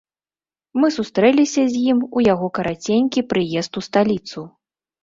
Мы сустрэліся з ім у яго караценькі прыезд у сталіцу.